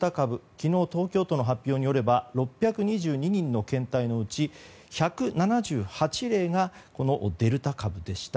昨日、東京都の発表によれば６２２人の検体のうち１７８例がこのデルタ株でした。